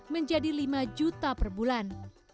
menjadi lima juta perbulan